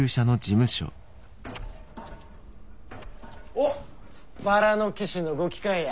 おっバラの騎士のご帰還や。